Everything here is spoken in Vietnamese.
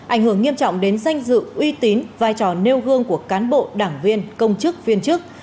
ảnh hưởng nghiêm trọng đến danh dự uy tín vai trò nêu gương của cán bộ đảng viên công chức viên chức